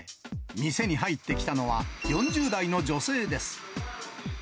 店に入ってきたのは、４０代の女性です。